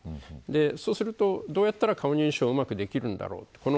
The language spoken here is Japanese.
そうすると、どうやったら顔認証がうまくできるんだろう。